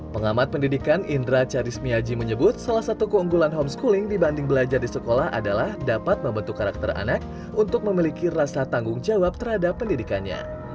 pengamat pendidikan indra charismiaji menyebut salah satu keunggulan homeschooling dibanding belajar di sekolah adalah dapat membentuk karakter anak untuk memiliki rasa tanggung jawab terhadap pendidikannya